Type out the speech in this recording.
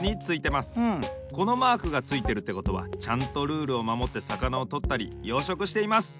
このマークがついてるってことはちゃんとルールをまもってさかなをとったり養殖しています。